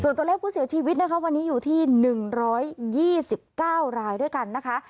ส่วนตัวเลขผู้เสียชีวิตนะคะวันนี้อยู่ที่๑๒๙รายด้วยกันนะคะ